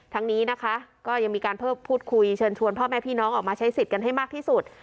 ทั้งนี้นะคะก็ยังมีการพูดคุยเชิญชวนพ่อแม่พี่น้องออกมาใช้สิทธิ์กันให้มากที่สุด